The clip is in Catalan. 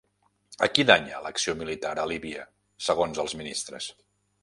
A qui danya l'acció militar a Líbia segons els ministres?